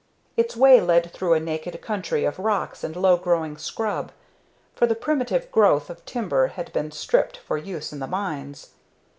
Its way led through a naked country of rocks and low growing scrub, for the primitive growth of timber had been stripped for use in the mines.